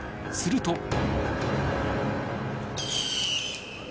すると。